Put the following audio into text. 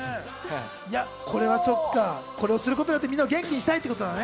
これをすることによってみんなを元気にしたいってことだね。